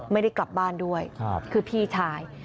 ไม่ได้กลับบ้านด้วยคือพี่ชาย